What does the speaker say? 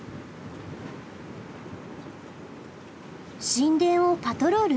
神殿をパトロール？